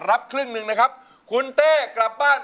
รับครึ่งหนึ่งนะครับคุณเต้กลับบ้าน